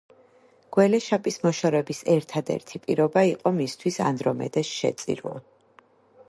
გველეშაპის მოშორების ერთადერთი პირობა იყო მისთვის ანდრომედეს შეწირვა.